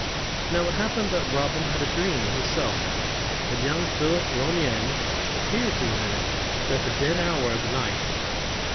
Now it happened that Robin had a dream himself, and young Philip Ronayne appeared to him in it, at the dead hour of the night.